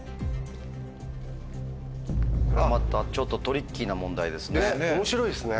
またちょっとトリッキーな問題ですね。ですね。